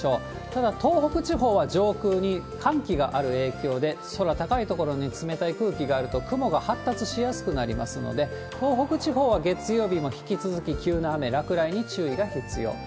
ただ、東北地方は上空に寒気がある影響で、空高い所に冷たい空気があると、雲が発達しやすくなりますので、東北地方は月曜日も引き続き急な雨、落雷に注意が必要。